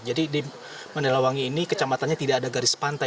di mandalawangi ini kecamatannya tidak ada garis pantai